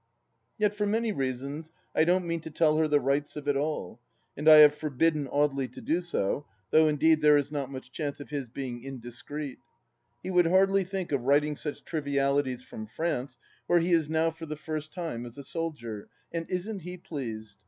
Yet for many reasons I don't mean to tell her the rights of it all, and I have forbidden Audely to do so, though indeed there is not much chance of his being indiscreet ; he would hardly think of writing such trivialities from France, where he is now for the first time as a soldier, and isn't he pleased